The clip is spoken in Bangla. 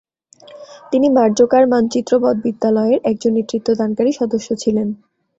তিনি মাজোর্কার মানচিত্রবৎ বিদ্যালয়-এর একজন নেতৃত্বদানকারী সদস্য ছিলেন।